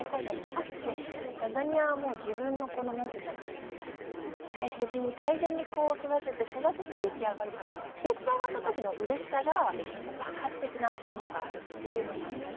ラザニアは大切に大切に育てて育てて出来上がるから出来上がったときのうれしさが爆発的なものがあるんです。